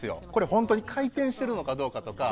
本当に回転してるのかどうかとか。